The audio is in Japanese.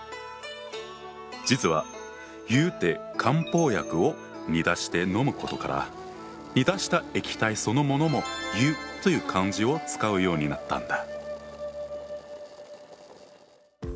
実は湯で漢方薬を煮出して飲むことから煮出した液体そのものも湯という漢字を使うようになったんだ。